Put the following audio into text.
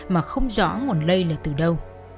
mà không rõ nguồn lây là từ đâu